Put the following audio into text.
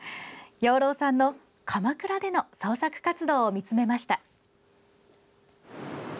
養老さんの鎌倉での創作活動を見つめました。